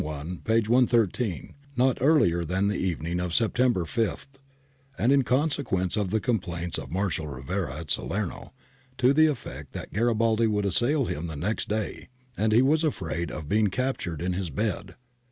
113, not earlier than the evening of September 5, and in consequence of the complaints of Marshal Rivera^ at Salerno to the effect that Garibaldi ' would assail him the next day, and he was afraid of being captured in his bed.'